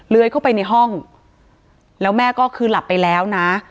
เข้าไปในห้องแล้วแม่ก็คือหลับไปแล้วนะ